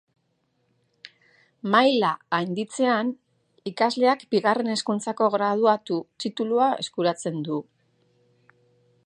Maila gainditzean, ikasleak bigarren hezkuntzako graduatu titulua eskuratzen du.